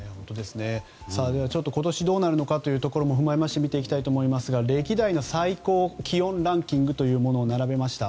では、今年どうなるのかというところも踏まえまして見ていきたいと思いますが歴代の最高気温ランキングを並べました。